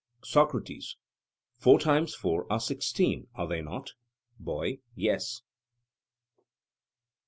SOCRATES: Four times four are sixteen are they not? BOY: Yes.